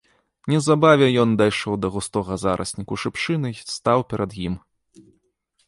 Неўзабаве ён дайшоў да густога зарасніку шыпшыны і стаў перад ім.